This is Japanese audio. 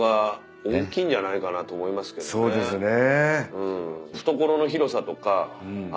そうですね。